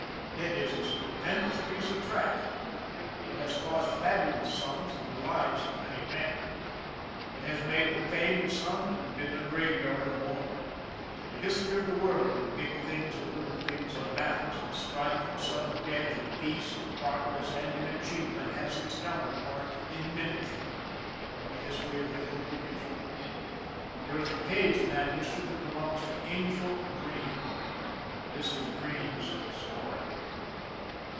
It is a stupendous piece of track. It has cost fabulous sums, and the lives of many men; it has made the fame of some, and been the graveyard of more. The history of the world, in big things, in little things, in battles, in strife, in sudden death, in peace, in progress, and in achievement, has its counterpart, in miniature, in the history of the Hill Division. There is a page in that history that belongs to " Angel " Breen. This is Breen's story.